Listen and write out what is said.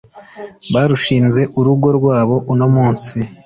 barushinze urugo rwabo uno munsi